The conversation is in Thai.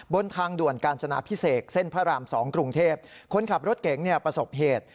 บนทางด่วนกาญจนาพิเศษเส้นพระราม๒กรุงเทพคนขับรถเก๋งเนี่ยประสบเหตุ